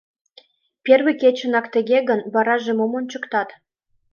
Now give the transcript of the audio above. — Первый кечынак тыге гын, вараже мом ончыктат?